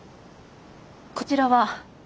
こちらは？